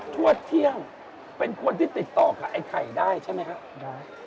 ทั่วเที่ยงเป็นคนที่ติดต่อกับไอ้ไข่ได้ใช่มั้ยครัใช่